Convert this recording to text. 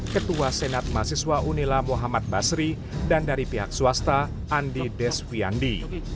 ketua senat mahasiswa unila muhammad basri dan dari pihak swasta andi desviandi